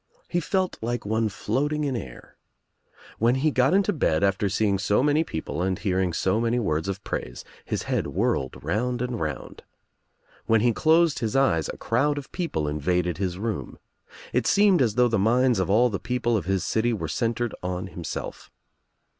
He felt like one floating in air. When he got Into bed after seeing so many people and hearing so many wor(}|f of praise his head whirled round and round. When he dosed his eyes a crowd of people invaded his room. It seemed as though the minds of all the people of his city were centred on himself.